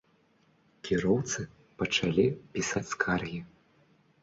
Кіроўцы пачалі пісаць скаргі.